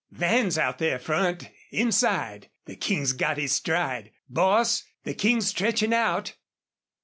... Van's out there front inside. The King's got his stride. Boss, the King's stretchin' out!